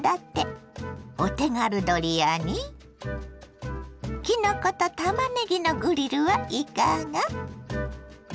お手軽ドリアにきのことたまねぎのグリルはいかが。